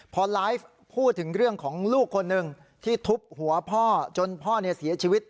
พอไลฟ์พูดถึงเรื่องของลูกคนหนึ่งที่ทุบหัวพ่อจนพ่อเสียชีวิต